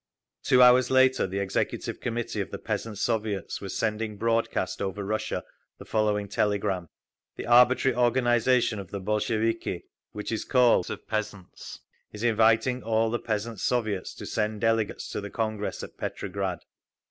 Two hours later the Executive Committee of the Peasants' Soviets was sending broadcast over Russia the following telegram: The arbitrary organisation of the Bolsheviki, which is called "Bureau of Organisation for the National Congress of Peasants," is inviting all the Peasants' Soviets to send delegates to the Congress at Petrograd….